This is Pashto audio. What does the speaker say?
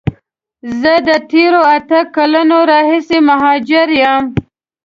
زه د تیرو اته کالونو راهیسی مهاجر یم.